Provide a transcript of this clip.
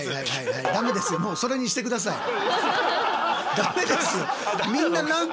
ダメです。